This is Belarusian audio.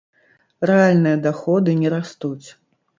Рэальныя даходы не растуць.